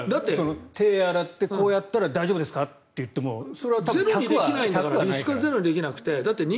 手を洗ってこうやったら大丈夫ですかって言ってもそれは１００にはできない。